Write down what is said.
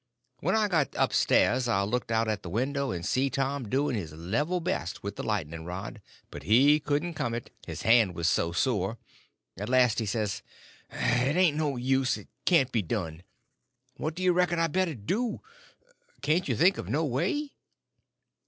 When I got up stairs I looked out at the window and see Tom doing his level best with the lightning rod, but he couldn't come it, his hands was so sore. At last he says: "It ain't no use, it can't be done. What you reckon I better do? Can't you think of no way?"